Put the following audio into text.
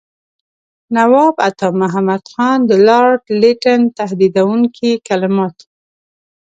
نواب عطامحمد خان د لارډ لیټن تهدیدوونکي کلمات.